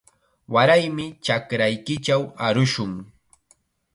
Waraymi chakraykichaw arushun.